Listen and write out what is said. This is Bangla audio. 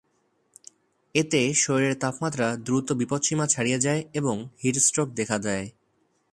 এতে শরীরের তাপমাত্রা দ্রুত বিপৎসীমা ছাড়িয়ে যায় এবং হিটস্ট্রোক দেখা দেয়।